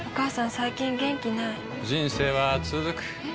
最近元気ない人生はつづくえ？